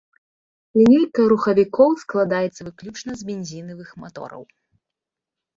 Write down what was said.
Лінейка рухавікоў складаецца выключна з бензінавых матораў.